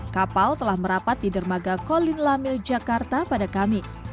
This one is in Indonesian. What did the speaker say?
kapal telah merapat di dermaga kolin lamil jakarta pada kamis